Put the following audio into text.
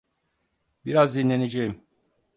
Biraz dinleneceğim.